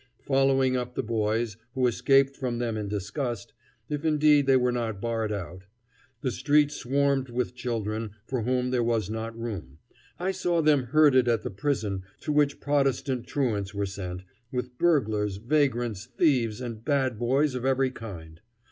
Following up the boys, who escaped from them in disgust if indeed they were not barred out; the street swarmed with children for whom there was not room I saw them herded at the prison to which Protestant truants were sent, with burglars, vagrants, thieves, and "bad boys" of every kind.